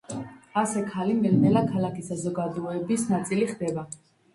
ასე ქალი ნელ-ნელა ქალაქის საზოგადოების ნაწილი ხდება.